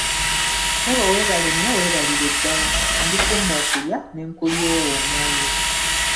Ssebo weebale nnyo weebalire ddala, ndikumma okulya ne nkulyowa omwoyo!